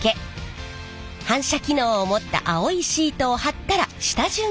反射機能を持った青いシートを貼ったら下準備は完了。